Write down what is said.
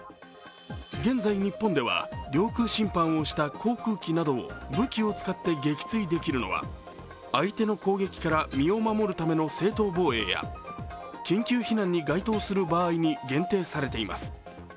現在、日本では領空侵犯をした航空機などを武器を使って撃墜できるのは相手の攻撃から身を守るための正当防衛や緊急避難に該当する場合に限定されています。